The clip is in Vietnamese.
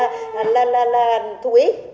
nhưng quản lý new zealand là thú ý